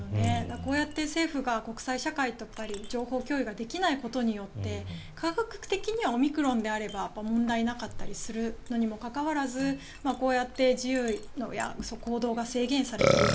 こうやって政府が国際社会と情報共有ができないことによって科学的にはオミクロンであれば問題なかったりするのにもかかわらずこうやって自由や行動が制限されていく。